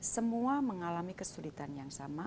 semua mengalami kesulitan yang sama